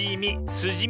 すじみね。